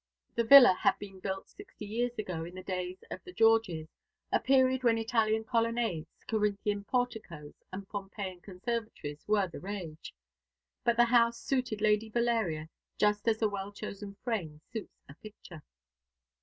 The villa had been built sixty years ago, in the days of the Georges, a period when Italian colonnades, Corinthian porticoes, and Pompeian conservatories were the rage; but the house suited Lady Valeria just as a well chosen frame suits a picture.